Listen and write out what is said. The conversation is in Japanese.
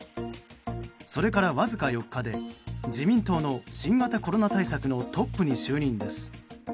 それからわずか４日で自民党の新型コロナ対策のトップに就任です。